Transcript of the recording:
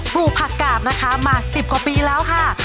ปลูกผักกาบนะคะมาสิบกว่าปีแล้วค่ะครับ